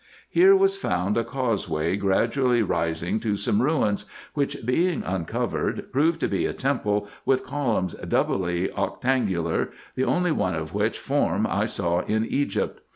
Here was found a causeway gradually rising to some ruins, which being uncovered, proved to be a temple, with columns doubly octangular, the only one of such form I saw in Egypt.